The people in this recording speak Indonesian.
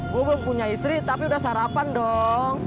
gue belum punya istri tapi udah sarapan dong